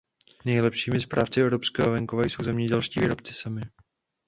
Nejlepšími správci evropského venkova jsou zemědělští výrobci sami.